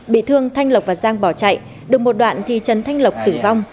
bị thương thanh lộc và giang bỏ chạy được một đoạn thì trần thanh lộc tử vong